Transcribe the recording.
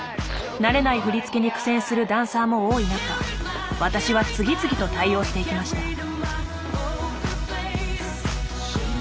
慣れない振り付けに苦戦するダンサーも多い中私は次々と対応していきました。